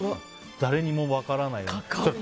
誰にも分からないように。